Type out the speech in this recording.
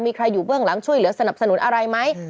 มีใครอยู่เบื้องหลังช่วยเหลือสนับสนุนอะไรไหม